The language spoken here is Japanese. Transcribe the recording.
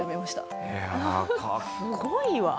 すごいわ。